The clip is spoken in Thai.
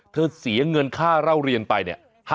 เธอเสียเงินค่าเล่าเรียนไป๕๕๐๐บาท